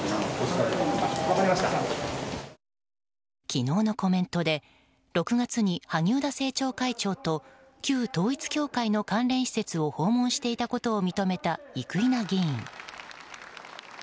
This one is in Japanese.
昨日のコメントで６月に萩生田政調会長と旧統一教会の関連施設を訪問していたことを認めた、生稲議員。